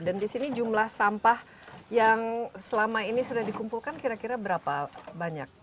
dan di sini jumlah sampah yang selama ini sudah dikumpulkan kira kira berapa banyak